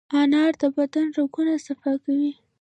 انار د بدن رګونه صفا کوي.